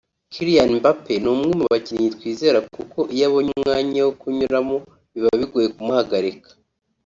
Kylian Mbappe ni umwe mu bakinnyi twizera kuko iyo abonye umwanya wo kunyuramo biba bigoye kumuhagarika